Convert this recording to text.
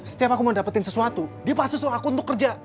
setiap aku mau dapetin sesuatu dia pasus aku untuk kerja